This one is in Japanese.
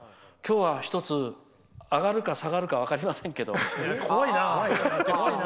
今日は１つ、上がるか下がるか分かりませんけど。